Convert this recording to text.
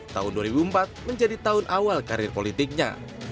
tahun dua ribu empat menjadi tahun awal karir politiknya